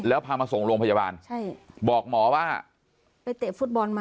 แล้วพามาส่งโรงพยาบาลใช่บอกหมอว่าไปเตะฟุตบอลมา